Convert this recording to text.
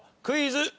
クイズ。